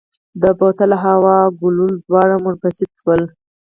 د بوتل هوا او ګلوله دواړه منبسط شول.